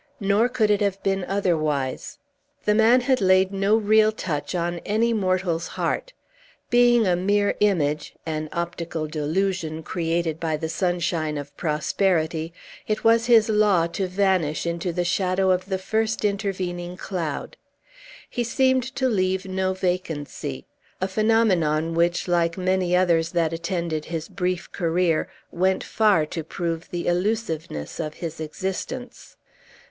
Nor could it have been otherwise. The man had laid no real touch on any mortal's heart. Being a mere image, an optical delusion, created by the sunshine of prosperity, it was his law to vanish into the shadow of the first intervening cloud. He seemed to leave no vacancy; a phenomenon which, like many others that attended his brief career, went far to prove the illusiveness of his existence.